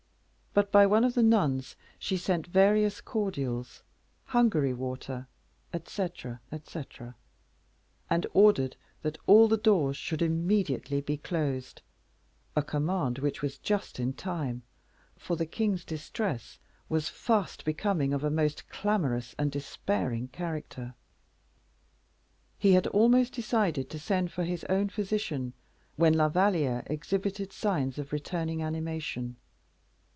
But by one of the nuns she sent various cordials, Hungary water, etc., etc., and ordered that all the doors should immediately be closed, a command which was just in time, for the king's distress was fast becoming of a most clamorous and despairing character. He had almost decided to send for his own physician, when La Valliere exhibited signs of returning animation.